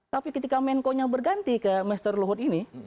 tapi ketika menko nya berganti ke master luhut ini